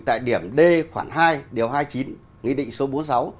tại điểm d khoảng hai điều hai mươi chín nghị định số bốn mươi sáu